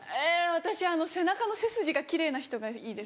私背中の背筋が奇麗な人がいいです。